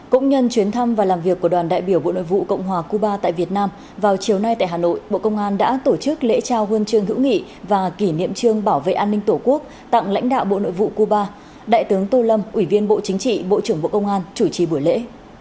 cũng nhân chuyến thăm và làm việc của đoàn đại biểu bộ nội vụ cộng hòa cuba tại việt nam vào chiều nay tại hà nội bộ công an đã tổ chức lễ trao huân chương hữu nghị và kỷ niệm trương bảo vệ an ninh tổ quốc tặng lãnh đạo bộ nội vụ cuba đại tướng tô lâm ủy viên bộ chính trị bộ trưởng bộ công an chủ trì buổi lễ